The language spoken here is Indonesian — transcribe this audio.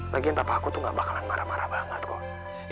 bagian papa aku tuh gak bakalan marah marah banget kok